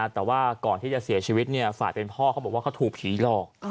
แต่ว่าก่อนที่จะเสียชีวิตฝ่ายเป็นพ่อเขาบอกว่าเขาถูกผีหลอก